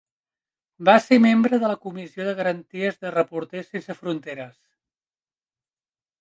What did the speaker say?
Va ser membre de la Comissió de Garanties de Reporters Sense Fronteres.